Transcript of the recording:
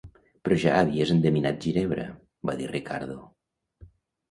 "Però ja havies endevinat 'Ginebra'", va dir Ricardo.